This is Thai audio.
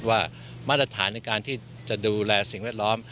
ว่ามาตรฐานในการที่จะดูแลสิ่งแวดล้อม